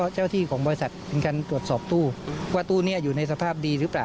ใช่ครับ